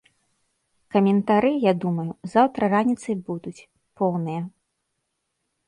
Каментары, я думаю, заўтра раніцай будуць, поўныя.